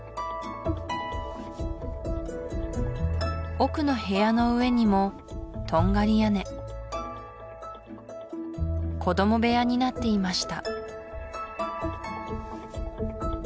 奥の部屋の上にもトンガリ屋根子ども部屋になっていました